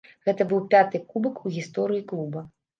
Гэта быў пяты кубак у гісторыі клуба.